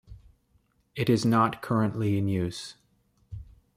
It is not currently in use.